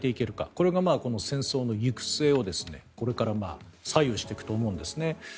これが戦争の行く末をこれから左右していくと思うんですね。